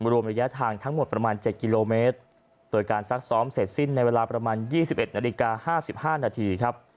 รวมระยะทางทั้งหมดประมาณ๗กิโลเมตรโดยการซักซ้อมเสร็จสิ้นในเวลาประมาณ๒๑นาฬิกา๕๕นาทีครับ